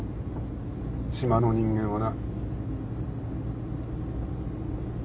島の人間はな。